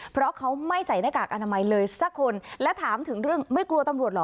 เพราะเขาไม่ใส่หน้ากากอนามัยเลยสักคนและถามถึงเรื่องไม่กลัวตำรวจเหรอ